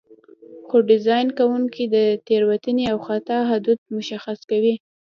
خو ډیزاین کوونکي د تېروتنې او خطا حدود مشخص کوي.